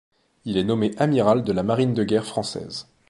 Il est nommé amiral de la marine de guerre française.